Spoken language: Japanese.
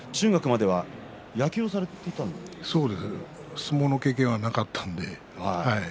相撲の経験はなかったので。